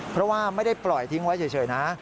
เพราะว่าไม่ได้ปล่อยทิ้งไว้เฉยนะ